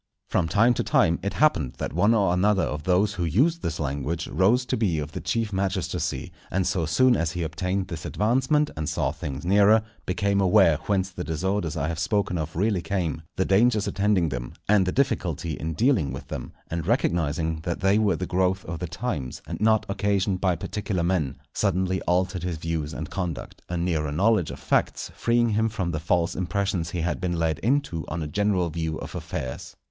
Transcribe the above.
From time to time it happened that one or another of those who used this language rose to be of the chief magistracy, and so soon as he obtained this advancement, and saw things nearer, became aware whence the disorders I have spoken of really came, the dangers attending them, and the difficulty in dealing with them; and recognizing that they were the growth of the times, and not occasioned by particular men, suddenly altered his views and conduct; a nearer knowledge of facts freeing him from the false impressions he had been led into on a general view of affairs.